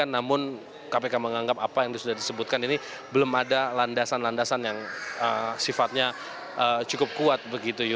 namun kpk menganggap apa yang sudah disebutkan ini belum ada landasan landasan yang sifatnya cukup kuat